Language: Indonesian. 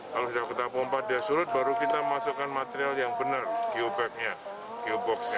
kalau sudah kita pompa dia surut baru kita masukkan material yang benar geobag nya geobox nya